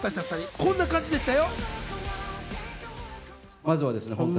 こんな様子でしたよ。